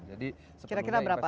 jadi sepenuhnya investasi itu